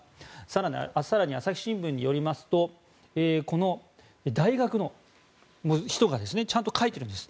更に朝日新聞によりますと大学の人がちゃんと書いてるんです。